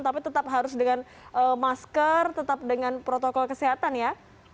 tapi tetap harus dengan masker tetap dengan protokol kesehatan ya